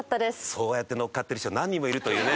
そうやってのっかってる人何人もいるというね。